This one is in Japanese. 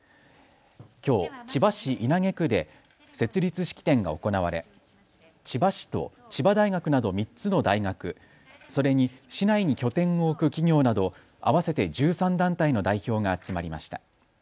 きょう、千葉市稲毛区で設立式典が行われ千葉市と千葉大学など３つの大学、それに市内に拠点を置く企業など合わせて１３団体の代表が集まりました。